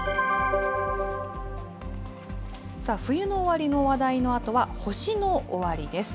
さあ、冬の終わりの話題のあとは、星の終わりです。